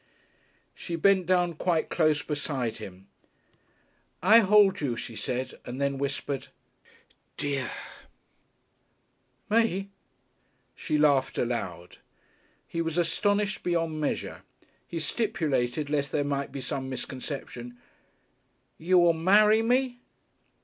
She bent down quite close beside him. "I hold you," she said, and then whispered, "dear." "Me?" She laughed aloud. He was astonished beyond measure. He stipulated, lest there might be some misconception, "You will marry me?"